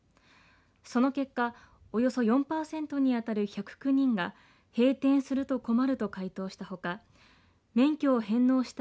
その結果およそ４パーセントに当たる１０９人が閉店すると困ると回答したほか免許を返納した